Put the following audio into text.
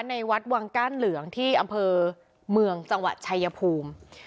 ในวัดวังก้านเหลืองที่อำเภอเมืองจังหวัดชายภูมิ